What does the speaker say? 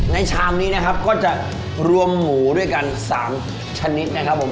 ชามนี้นะครับก็จะรวมหมูด้วยกัน๓ชนิดนะครับผม